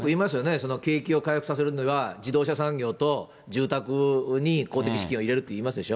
その景気を回復させるには、自動車産業と住宅に公的資金を入れるっていいますでしょ。